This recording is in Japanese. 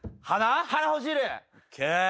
ＯＫ。